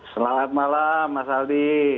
selamat malam mas aldi